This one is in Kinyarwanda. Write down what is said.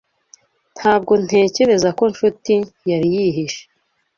Ntabwo ntekereza ko Nshuti yari yihishe.